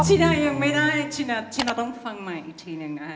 ที่ได้ยังไม่ได้ที่เราต้องฟังใหม่อีกทีหนึ่งนะคะ